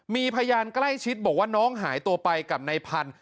มีพยานใกล้ชิดบอกว่าน้องหายตัวไปกับนายพันธุ์